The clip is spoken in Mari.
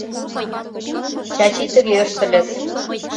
Чачи тыге ыштыльыс..